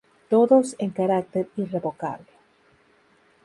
Todos en carácter irrevocable.